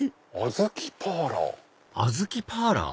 「あずきパーラー」。